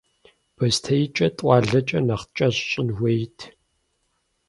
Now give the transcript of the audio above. БостеикӀэр тӀуалэкӀэ нэхъ кӀэщӀ щӀын хуейт.